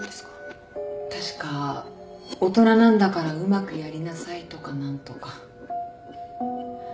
確か「大人なんだからうまくやりなさい」とか何とか。